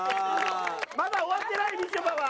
まだ終わってないみちょぱは。